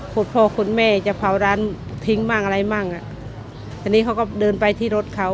คุณพ่อคุณแม่จะเผาร้านทิ้งบ้างอะไรมั่งอ่ะทีนี้เขาก็เดินไปที่รถเขา